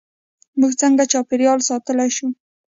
موږ څنګه چاپیریال ساتلی شو؟